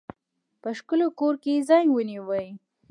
په ښکلي کور کې ځای ونیوی.